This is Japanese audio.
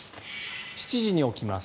７時に起きます。